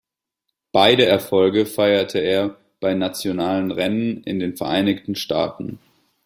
Beide Erfolge feierte er bei nationalen Rennen in den Vereinigten Staaten.